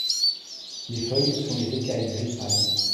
Les feuilles sont des écailles gris pâle.